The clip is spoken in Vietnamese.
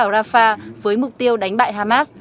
rafah với mục tiêu đánh bại hamas